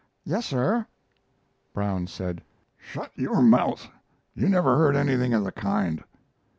"Yes, sir." Brown said: "Shut your mouth! You never heard anything of the kind."